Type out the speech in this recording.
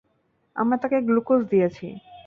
আমরা তাকে গ্লুকোজ দিয়েছি।